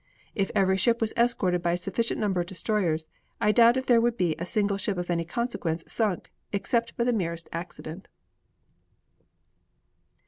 If every ship was escorted by a sufficient number of destroyers I doubt if there would be a single ship of any consequence sunk, except by the merest accident.